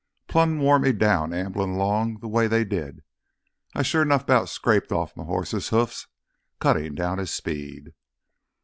Plumb wore me down amblin' 'long th' way they did. I sure 'nough 'bout scraped off my hoss's hoofs cuttin' down his speed.